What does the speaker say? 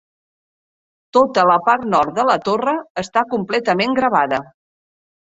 Tota la part nord de la torre està completament gravada.